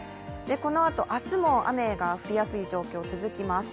このあと明日も雨が降りやすい状況が続きます。